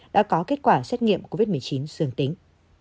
đã có kết quả xét nghiệm covid một mươi chín dương tính